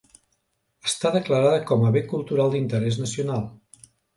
Està declarada com a bé cultural d'interès nacional.